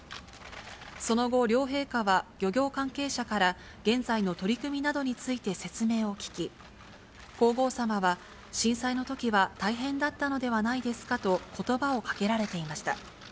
その後、両陛下は、漁業関係者から現在の取り組みなどについて説明を聞き、皇后さまは、震災のときは大変だったのではないですかと、ことばをかけられていました。